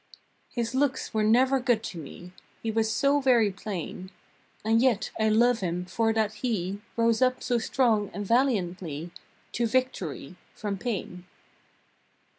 His looks were never good to me, He was so very plain, And yet I love him for that he Rose up so strong and valiantly To victory from pain.